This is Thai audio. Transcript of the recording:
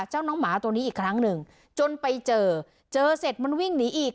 น้องหมาตัวนี้อีกครั้งหนึ่งจนไปเจอเจอเสร็จมันวิ่งหนีอีก